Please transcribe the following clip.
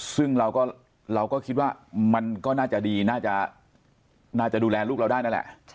ซึ่งเราก็คิดว่ามันก็น่าจะดีน่าจะน่าจะดูแลลูกเราได้นั่นแหละ